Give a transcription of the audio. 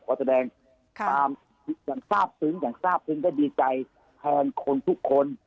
ขอแสดงความอย่างทราบซึ้งอย่างทราบซึ้งและดีใจแทนคนทุกคน